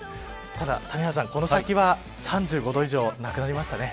ただ、谷原さん、この先は３５度以上なくなりましたね。